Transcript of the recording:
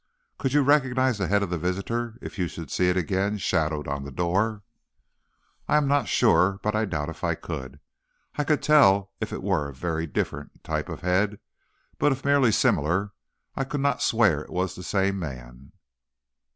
Could you recognize the head of the visitor if you should see it again shadowed on the door?" "I am not sure, but I doubt if I could. I could tell if it were a very different type of head, but if merely similar, I could not swear it was the same man."